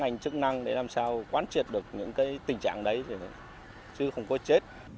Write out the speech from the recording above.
phản ánh chức năng để làm sao quán triệt được những tình trạng đấy chứ không có chết